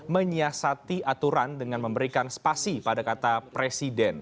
menyiasati aturan dengan memberikan spasi pada kata presiden